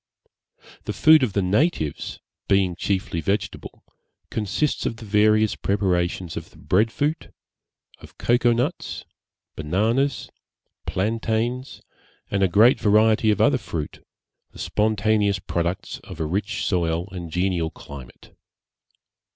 The food of the natives, being chiefly vegetable, consists of the various preparations of the bread fruit, of cocoa nuts, bananas, plantains, and a great variety of other fruit, the spontaneous products of a rich soil and genial climate.